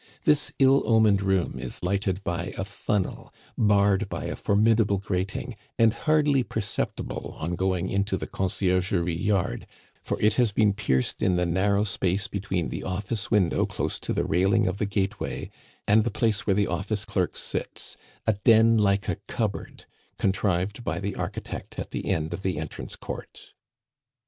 This ill omened room is lighted by a funnel, barred by a formidable grating, and hardly perceptible on going into the Conciergerie yard, for it has been pierced in the narrow space between the office window close to the railing of the gateway, and the place where the office clerk sits a den like a cupboard contrived by the architect at the end of the entrance court.